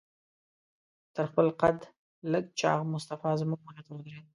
تر خپل قد لږ چاغ مصطفی زموږ مخې ته ودرېد.